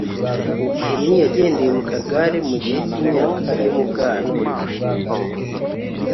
Kenny yagendeye mu kagare mu gihe cy’imyaka yo mu bwana